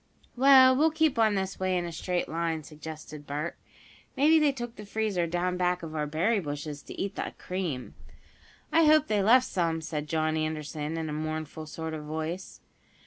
"Well, we'll keep on this way in a straight line," suggested Bert. "Maybe they took the freezer down back of our berry bushes to eat the cream." "I hope they left some," said John Anderson, in a mournful sort of voice.